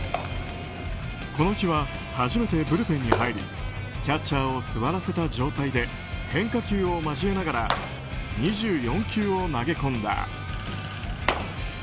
この日は初めてブルペンに入りキャッチャーを座らせた状態で変化球を交えながら２４球を投げ込んだ。